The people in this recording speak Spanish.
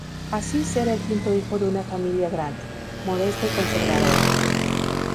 Aziz era el quinto hijo de una familia grande, modesta y conservadora.